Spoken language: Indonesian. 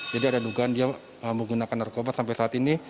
jadi ada dugaan dia menggunakan narkoba sampai saat ini